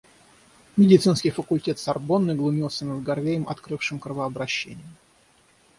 Медицинский факультет Сорбонны глумился над Гарвеем, открывшим кровообращение.